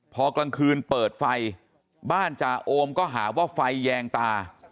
พอกลางคืนเปิดไฟบ้านจาโอมก็หาว่าไฟแยงตา